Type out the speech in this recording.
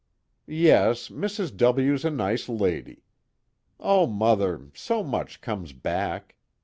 "Yes, Mrs. W.'s a nice lady. O Mother, so much comes back!